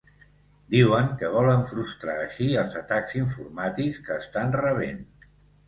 Diuen que volen frustrar així els atacs informàtics que estan rebent.